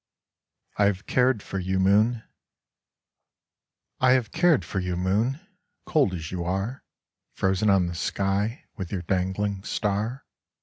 66 I HAVE CARED FOR YOU, MOON I have cared for you, Moon, Cold as you are, Frozen on the sky With your dangling star.